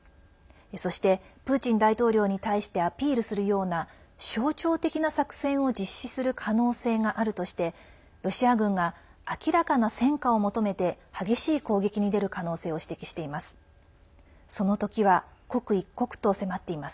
そして、プーチン大統領に対してアピールするような象徴的な作戦を実施する可能性があるとしてロシア軍が明らかな戦果を求めて激しい攻撃に出る可能性を指摘しています。